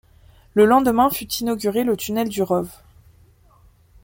Le lendemain fut inauguré le tunnel du Rove.